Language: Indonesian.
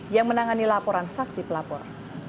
yang menangani laporan saksi pelapor